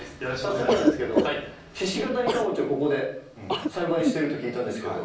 早速なんですけど鹿ケ谷かぼちゃをここで栽培してると聞いたんですけど。